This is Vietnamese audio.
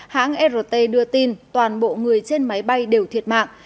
hãng rt đưa tin toàn bộ người trên máy bay đều thiệt mạng